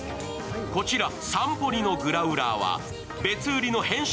こちらサンポニのグラウラーは別売りの変身